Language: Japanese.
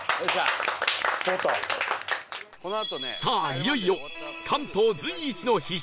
いよいよ関東随一の必勝